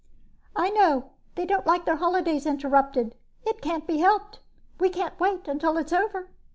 "I know, they don't like their holidays interrupted. It can't be helped. We can't wait until it's over."